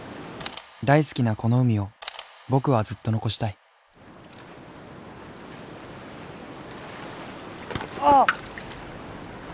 大好きなこの海を僕はずっと残したいあ！